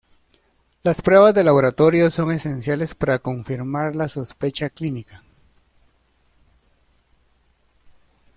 Las pruebas de laboratorio son esenciales para confirmar la sospecha clínica.